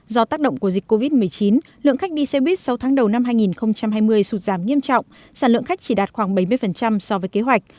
do tác động của dịch covid một mươi chín lượng khách đi xe buýt sau tháng đầu năm hai nghìn hai mươi sụt giảm nghiêm trọng sản lượng khách chỉ đạt khoảng bảy mươi so với kế hoạch